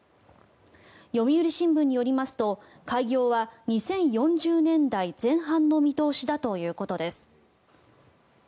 読売新聞によりますと開業は２０４０年代前半の見通しだということです。